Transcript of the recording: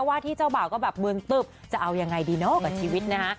ว่าที่เจ้าบ่าวก็แบบมืนตึบจะเอายังไงดีเนาะกับชีวิตนะฮะ